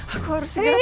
aku harus segera pagi